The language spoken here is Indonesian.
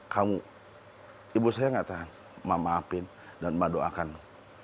kamu ibu saya gak tahan mau maafin dan mendoakanmu